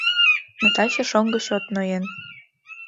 Но таче шоҥго чот ноен.